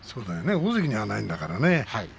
大関にはないんだからね。